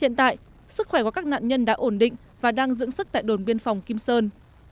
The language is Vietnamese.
hiện tại sức khỏe của các nạn nhân đã ổn định và đang dưỡng sức tại đồn biên phòng kim sơn